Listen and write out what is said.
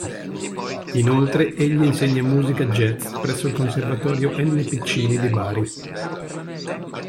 Inoltre, egli insegna musica jazz presso il Conservatorio N. Piccinni di Bari.